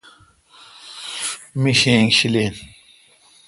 می شینگ شیلین۔